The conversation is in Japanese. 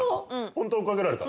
ホントに追いかけられた？